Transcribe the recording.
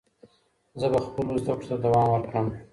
زه به خپلو زده کړو ته دوام ورکړم.